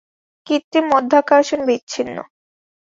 কৃত্রিম মাধ্যাকর্ষণ বিচ্ছিন্ন।